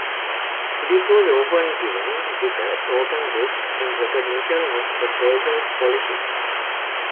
This was often given with a token book in recognition of the person's scholarship.